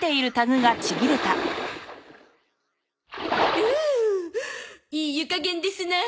うういい湯加減ですなあ。